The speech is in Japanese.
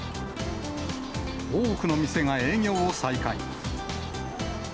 多くの店が営業を再開。